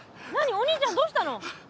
お兄ちゃんどうしたの？